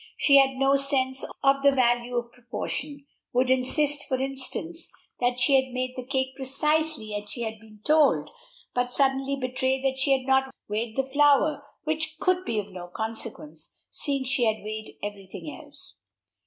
She had no sense of the value of proportion, would insist, for instance, that she had made the cake precisely as she had been told, but suddenly betray that she had not weighed the flour, which could be of no consequence, seeing she had weighed every thing else.